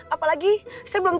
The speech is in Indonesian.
apalagi saya belum cukup